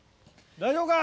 大丈夫か？